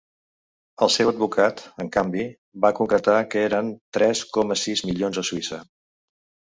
El seu advocat, en canvi, va concretar que eren tres coma sis milions a Suïssa.